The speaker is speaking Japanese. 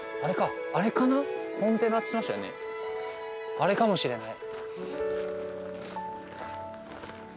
あれかもしれない。